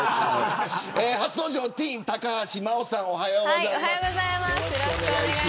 初登場、ティーンの高橋舞音さんおはようございます。